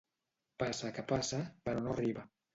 Passa que passa, però no arriba.